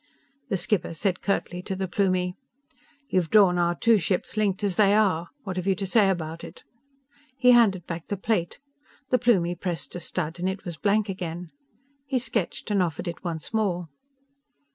_" The skipper said curtly to the Plumie: "You've drawn our two ships linked as they are. What have you to say about it?" He handed back the plate. The Plumie pressed a stud and it was blank again. He sketched and offered it once more.